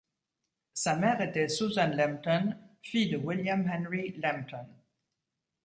Sa mère était Susan Lambton, fille de William Henry Lambton.